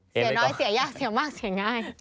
เสียน้อยเสียยากเสียมากเสียง่าย